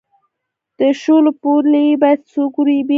د شولو پولې باید څوک وریبي؟